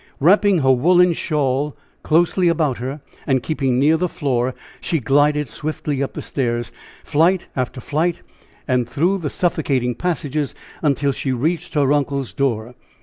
Wrapping her woolen shawl closely about her, and keeping near the floor, she glided swiftly up the stairs, flight after flight, and through the suffocating passages, until she reached her uncle's door.